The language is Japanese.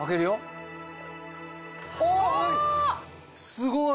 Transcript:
すごい！